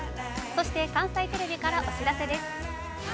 そして、関西テレビからお知らせです。